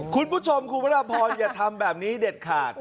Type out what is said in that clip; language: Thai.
คุณผู้ชมคุณพระราพรอย่าทำแบบนี้เด็ดขาด